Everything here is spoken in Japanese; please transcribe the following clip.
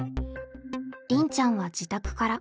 りんちゃんは自宅から。